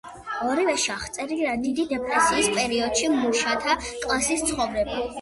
ორივეში აღწერილია დიდი დეპრესიის პერიოდში მუშათა კლასის ცხოვრება.